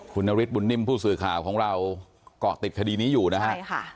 คุณนฤทธิ์บุญนิมผู้สื่อข่าวของเราก็ติดคดีนี้อยู่นะครับ